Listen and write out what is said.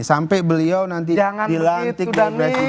sampai beliau nanti dilantik dari presiden